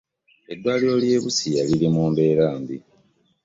Eddwaliiro ly'e Busia liri mu mbeera mbi!